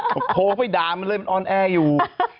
แฮ่ยยยยยโพ้ไปดามมันเลยอ้อนแออยู่